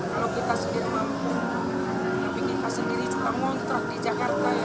kalau kita sendiri mampu tapi kita sendiri juga ngontrak di jakarta ya